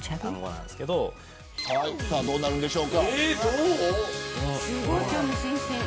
さあ、どうなるでしょうか。